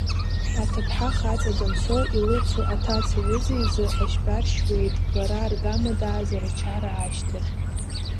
Аҭыԥҳа хаҵа данцо, илыцу аҭацаҩызаизы ашьтәа ршьуеит, лара аргама даазар ачара ашьҭахь.